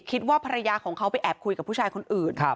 คิดว่าภรรยาของเขาไปแอบคุยกับผู้ชายคนอื่น